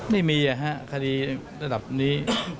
ไม่มีอ่ะคดีศาลดับนี้